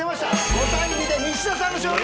５対２で西田さんの勝利！